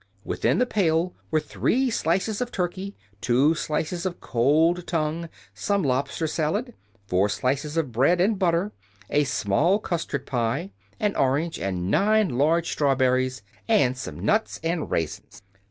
Within the pail were three slices of turkey, two slices of cold tongue, some lobster salad, four slices of bread and butter, a small custard pie, an orange and nine large strawberries, and some nuts and raisins.